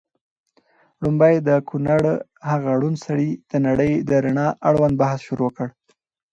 ړومبی د کونړ هغه ړوند سړي د نړۍ د رڼا اړوند بحث شروع کړ